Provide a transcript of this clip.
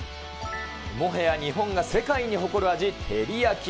もはや日本が世界に誇る味、テリヤキ。